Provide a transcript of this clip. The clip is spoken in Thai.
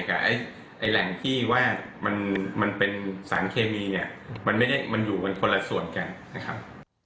กับแหล่งที่ว่ามันเป็นสารเคมีมันอยู่เป็นคนละส่วนกันนะครับ